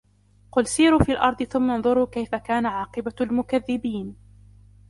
قل سيروا في الأرض ثم انظروا كيف كان عاقبة المكذبين